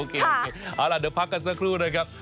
กลับติดตามกันครับ